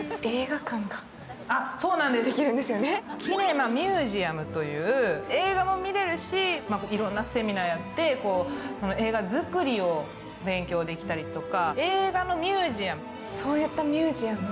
キネマミュージアムという、映画も見れるしいろんなセミナーやって、映画作りを勉強できたりとか映画のミュージアム。